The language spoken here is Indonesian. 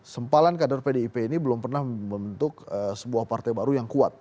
sempalan kader pdip ini belum pernah membentuk sebuah partai baru yang kuat